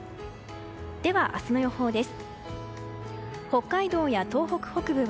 では、明日の予報です。